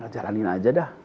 jalanin aja dah